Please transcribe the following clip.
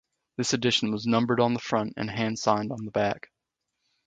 This edition was numbered on the front and hand signed on the back.